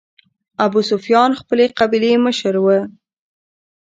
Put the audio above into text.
ابوسفیان خپلې قبیلې مشر و.